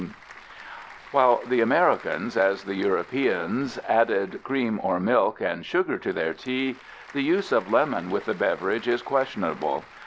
_)] While the Americans, as the Europeans, added cream or milk and sugar to their tea, the use of lemon with the beverage is questionable.